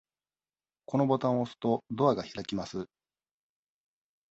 このボタンを押すと、ドアが開きます。